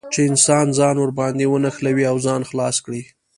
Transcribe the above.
چې انسان ځان ور باندې ونښلوي او ځان خلاص کړي.